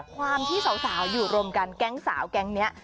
ความที่สาวอยู่รวมกันแก๊งสาวแก๊งนี้